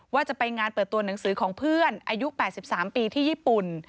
ว่าจะไปงานเปิดตัวหนังสือของเพื่อนอายุ๘๓ปีที่ญี่ปุ่น